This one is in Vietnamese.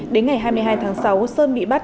đến ngày hai mươi hai tháng sáu sơn bị bắt